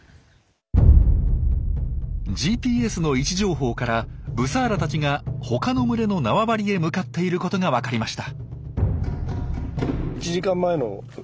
ＧＰＳの位置情報からブサーラたちが他の群れの縄張りへ向かっていることがわかりました。